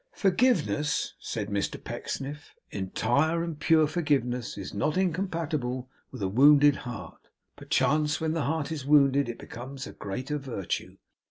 'Forgiveness,' said Mr Pecksniff, 'entire and pure forgiveness is not incompatible with a wounded heart; perchance when the heart is wounded, it becomes a greater virtue.